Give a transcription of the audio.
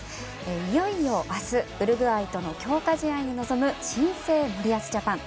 いよいよ明日、ウルグアイとの強化試合に臨む新生森保ジャパン。